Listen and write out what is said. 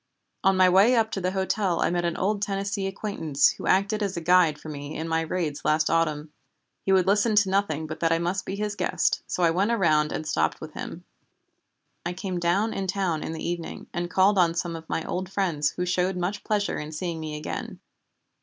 On my way up to the hotel I met an old Tennessee acquaintance who acted as a guide for me in my raids last autumn. He would listen to nothing but that I must be his guest, so I went around and stopped with him. I came down in town in the evening, and called on some of my old friends who showed much pleasure in seeing me again.